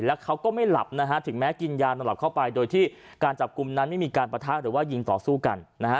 แล้วเขาก็ไม่หลับนะฮะถึงแม้กินยานอนหลับเข้าไปโดยที่การจับกลุ่มนั้นไม่มีการปะทะหรือว่ายิงต่อสู้กันนะฮะ